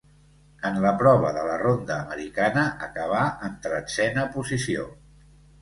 En la prova de la ronda americana acabà en tretzena posició.